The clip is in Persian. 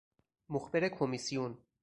مخبر کمیسیون